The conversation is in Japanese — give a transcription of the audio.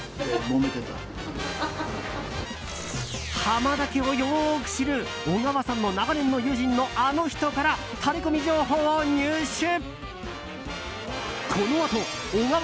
浜田家をよく知る小川さんの長年の友人のあの人からタレコミ情報を入手。